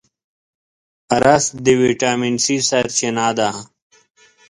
رس د ویټامین C سرچینه ده